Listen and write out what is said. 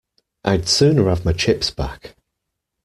I'd sooner have my chips back.